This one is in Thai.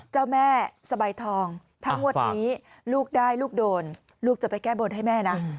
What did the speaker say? เจ้าแม่สบายทองถ้างวดนี้ลูกได้ลูกโดนลูกจะไปแก้บนให้แม่นะ